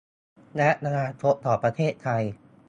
และอนาคตของประเทศไทย